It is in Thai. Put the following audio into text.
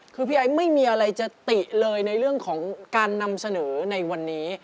คือพี่ไอ้ไม่มีอะไรจะติเลยในเรื่องของการนำเสนอในวันนี้